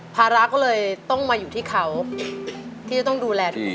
ภาระก็เลยต้องมาอยู่ที่เขาที่จะต้องดูแลตัวเอง